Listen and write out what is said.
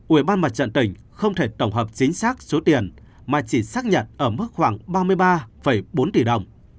ubnd tỉnh không thể tổng hợp chính xác số tiền mà chỉ xác nhận ở mức khoảng ba mươi ba năm triệu đồng